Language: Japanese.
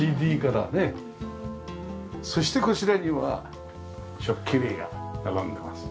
そしてこちらには食器類が並んでます。